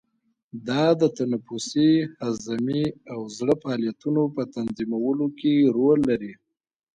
دا د تنفسي، هضمي او زړه فعالیتونو په تنظیمولو کې رول لري.